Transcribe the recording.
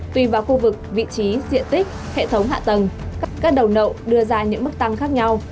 tùy vào khu vực vị trí diện tích hệ thống hạ tầng các đầu nậu đưa ra những mức tăng khác nhau